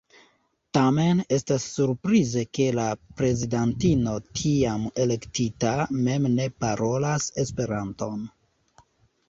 Tamen, estas surprize ke la prezidantino tiam elektita mem ne parolas Esperanton.